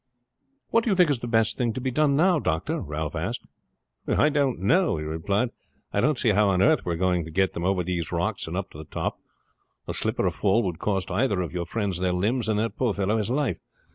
"What do you think is the best thing to be done now doctor?" Ralph asked. "I don't know," he replied. "I don't see how on earth we are going to get them over these rocks and up to the top. A slip or a fall would cost either of your friends their limbs, and that poor fellow his life.